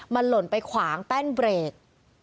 มันหล่นไปขวางแป้นเบรก